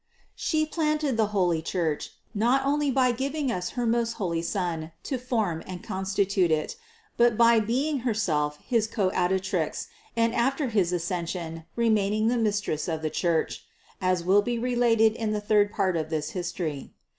She planted the holy Church, not only by giving us her most holy Son to form and constitute it, but by being Herself his Coadjutrix, and after his Ascension, remain 597 598 CITY OF GOD ing the Mistress of the Church, as will be related in the third part of this history.